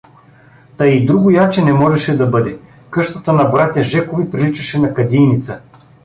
Та и другояче не можеше да бъде; къщата на братя Жекови приличаше на кадийница.